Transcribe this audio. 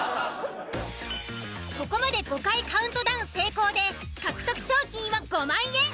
ここまで５回カウントダウン成功で獲得賞金は５万円。